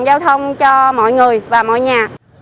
giao thông cho mọi người và mọi nhà